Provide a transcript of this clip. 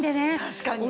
確かに。